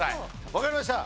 わかりました。